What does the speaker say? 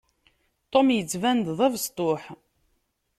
Tom yettban-d d abesṭuḥ.